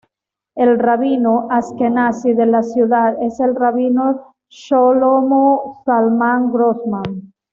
El rabino asquenazí de la ciudad es el rabino Shlomo Zalman Grossman.